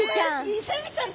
イセエビちゃん！